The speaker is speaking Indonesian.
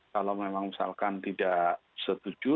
kalau memang misalkan tidak setuju